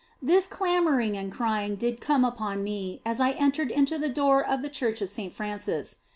This clamouring and crying did come upon me as I entered into the door of the church of Saint Francis.